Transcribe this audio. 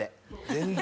全然。